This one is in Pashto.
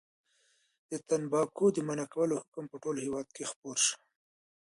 د تنباکو د منع کولو حکم په ټول هېواد کې خپور شو.